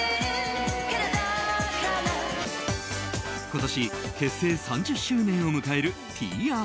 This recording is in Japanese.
今年、結成３０周年を迎えるＴＲＦ。